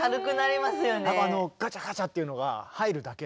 やっぱあの「ガチャガチャ」っていうのが入るだけで。